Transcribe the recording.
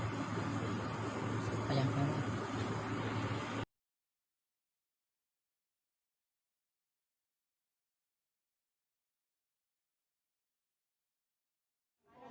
สวัสดีครับ